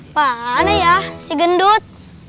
mana ya si gendut